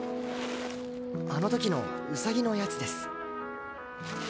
あの時のウサギのやつです。